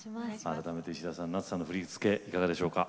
改めて石田さん夏さんの振り付けいかがでしょうか？